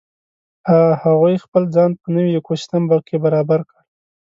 هغوی خپل ځان په نوې ایکوسیستم کې برابر کړ.